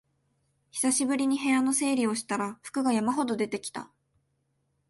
久しぶりに部屋の整理をしたら服が山ほど出てきた